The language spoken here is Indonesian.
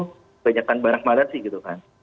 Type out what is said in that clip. kebanyakan barang banget sih gitu kan